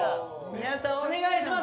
皆さんお願いします。